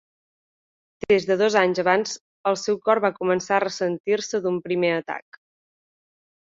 Des de dos anys abans el seu cor va començar a ressentir-se d'un primer atac.